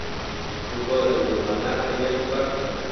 اوبه د وفادار طبیعت برخه ده.